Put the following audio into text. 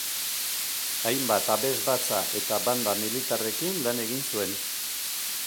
Hainbat abesbatza eta banda militarrekin lan egin zuen.